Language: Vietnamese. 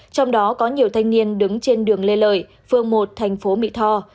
trong đó có nhiều thanh niên đứng trên đường lê lợi phường một thành phố mỹ tho